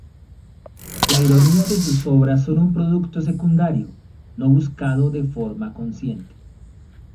La ironía de sus obras son un producto secundario, no buscado de forma consciente.